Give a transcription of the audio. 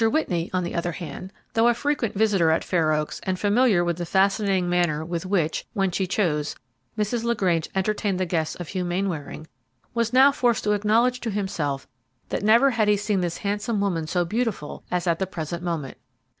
Whitney, on the other hand, though a frequent visitor at Fair Oaks, and familiar with the fascinating manner with which, when she chose, Mrs. LaGrange entertained the guests of Hugh Mainwaring, was now forced to acknowledge to himself that never had he seen this handsome woman so beautiful as at the present moment.